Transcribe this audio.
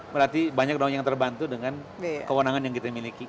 berarti banyak dong yang terbantu dengan kewenangan yang kita miliki